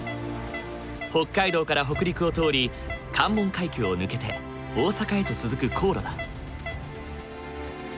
北海道から北陸を通り関門海峡を抜けて大阪へと続く航路だ。